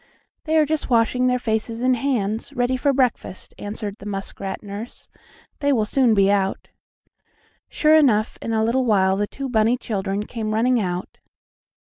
"They are just washing their faces and hands, ready for breakfast," answered the muskrat nurse. "They will soon be out." Sure enough, in a little while the two bunny children came running out.